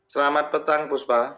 selamat petang bu subah